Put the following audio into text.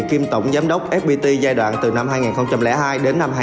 kiêm tổng giám đốc fpt giai đoạn từ năm hai nghìn hai đến năm hai nghìn chín